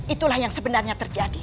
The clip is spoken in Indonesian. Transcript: itulah yang sebenarnya terjadi